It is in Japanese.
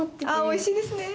おいしいですね。